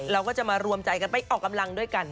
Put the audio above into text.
เราก็จะมารวมใจกันไปออกกำลังด้วยกัน